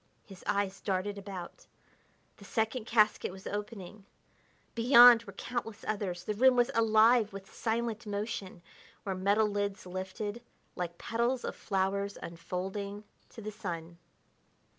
His eyes darted about; the second casket was opening; beyond were countless others; the room was alive with silent motion where metal lids lifted like petals of flowers unfolding to the sun.